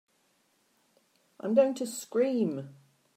I'm going to scream!